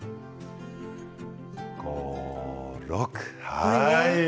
５、６。